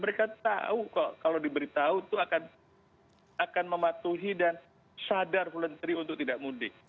mereka tahu kok kalau diberitahu itu akan mematuhi dan sadar voluntary untuk tidak mudik